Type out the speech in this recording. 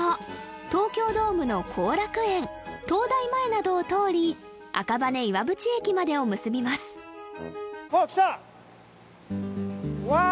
東京ドームの後楽園東大前などを通り赤羽岩淵駅までを結びますわあ！